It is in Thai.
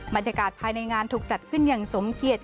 บรรยากาศภายในงานถูกจัดขึ้นอย่างสมเกียจ